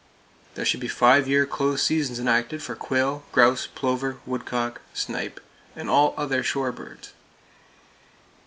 There should be five year close seasons enacted for quail, grouse, plover, woodcock, snipe, and all other shore birds.